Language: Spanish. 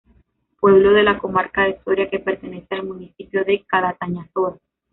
Pueblo de la Comarca de Soria que pertenece al municipio de Calatañazor.